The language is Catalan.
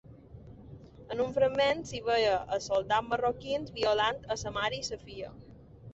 En un fragment s'hi veia a soldats marroquins violant a la mare i la filla.